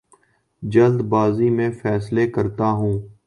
جلد بازی میں فیصلے کرتا ہوں